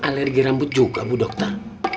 alergi rambut juga bu dokter